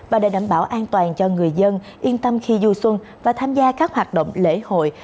và để đảm bảo an toàn cho người dân yên tâm khi du xuân và tham gia các hoạt động lễ hội